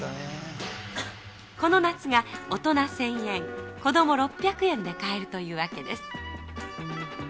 この夏が大人１０００円、子ども６００円で買えるというわけです。